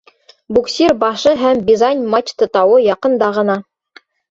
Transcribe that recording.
Буксир Башы һәм Бизань-мачта тауы яҡында ғына.